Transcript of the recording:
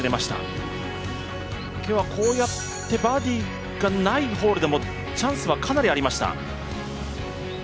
今日はこうやってバーディーがないホールでもチャンスはかなりありました。